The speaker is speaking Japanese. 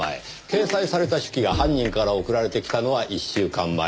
掲載された手記が犯人から送られてきたのは１週間前。